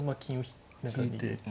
引いて。